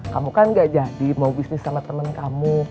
kamu kan gak jadi mau bisnis sama temen kamu